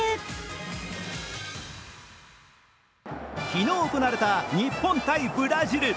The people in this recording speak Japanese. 昨日行われた日本×ブラジル。